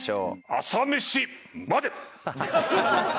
『朝メシまで。』！